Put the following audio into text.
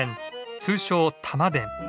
通称玉電。